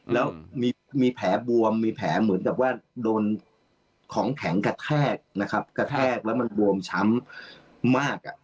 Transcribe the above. แล้วมีแผลบวมมีแผลเหมือนกับว่าโดนของแข็งกระแทกนะครับกระแทกแล้วมันบวมช้ำมากอ่ะ